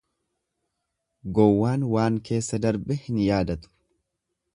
Gowwaan waan keessa darbe hin yaadatu.